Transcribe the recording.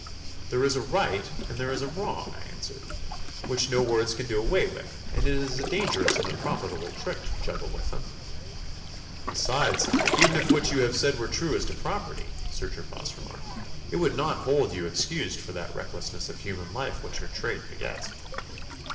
'There is a right and there is a wrong,' I answered, 'which no words can do away with, and it is a dangerous and unprofitable trick to juggle with them.' 'Besides, even if what you have said were true as to property,' Sir Gervas remarked, 'it would not hold you excused for that recklessness of human life which your trade begets.